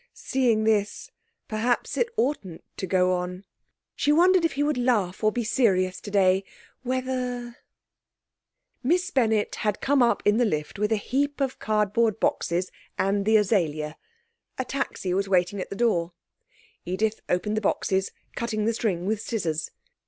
Seeing this, perhaps it oughtn't to go on. She wondered if he would laugh or be serious today... whether... Miss Bennett had come up in the lift with a heap of cardboard boxes, and the azalea. A taxi was waiting at the door. Edith opened the boxes, cutting the string with scissors.